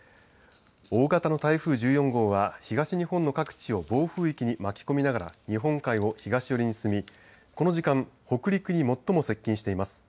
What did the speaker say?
大型の台風１４号は東日本の各地を暴風域に巻き込みながら日本海を東寄りに進みこの時間北陸に最も接近しています。